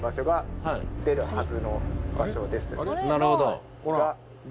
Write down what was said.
なるほど。が。